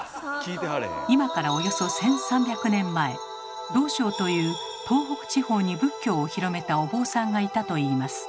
今からおよそ１，３００年前道昭という東北地方に仏教を広めたお坊さんがいたといいます。